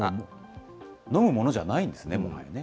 飲むものじゃないんですね、もうね。